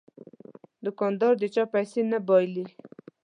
دوکاندار د چا پیسې نه بایلي.